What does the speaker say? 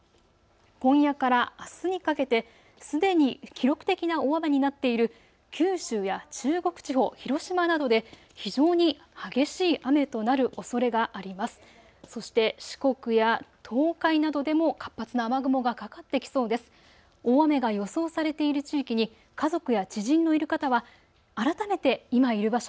今夜からあすにかけてすでに記録的な大雨になっている九州や中国地方、広島などで非常に激しい雨となるおそれがあります。